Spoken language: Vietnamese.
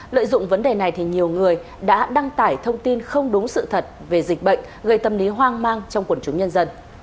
trước này nhiều người đã đăng tải thông tin không đúng sự thật về dịch bệnh gây tâm lý hoang mang trong quần chúng nhân dân